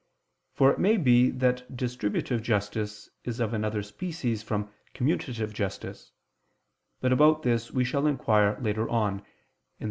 For it may be that distributive justice is of another species from commutative justice; but about this we shall inquire later on (II II, Q.